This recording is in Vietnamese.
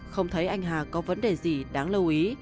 không thấy anh hà có vấn đề gì đáng lưu ý